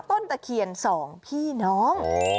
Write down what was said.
ต้นตะเคียน๒พี่น้อง